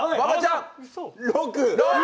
６。